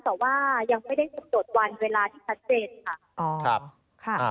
แต่ว่ายังไม่ได้สุดโจทย์วันเวลาที่พัดเจ็ดค่ะ